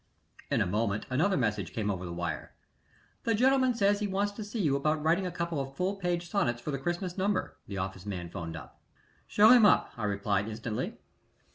In a moment another message came over the wire. "The gentleman says he wants to see you about writing a couple of full page sonnets for the Christmas number," the office man 'phoned up. "Show him up," I replied, instantly.